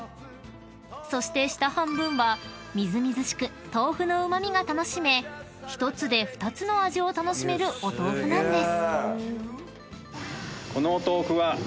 ［そして下半分はみずみずしく豆腐のうま味が楽しめ１つで２つの味を楽しめるお豆腐なんです］